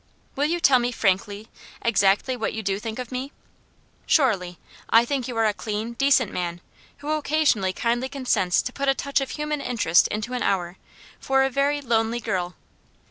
"Will you tell me, frankly, exactly what you do think of me?" "Surely! I think you are a clean, decent man, who occasionally kindly consents to put a touch of human interest into an hour, for a very lonely girl.